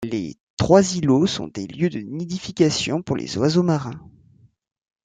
Les trois îlots sont des lieux de nidifications pour les oiseaux marins.